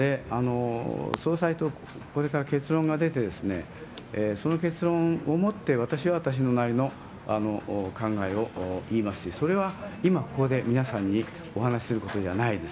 総裁とこれから結論が出て、その結論を持って私は私なりの考えを言いますし、それは今ここで皆さんにお話しすることではないです。